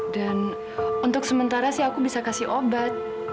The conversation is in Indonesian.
dan untuk sementara sih aku bisa kasih obat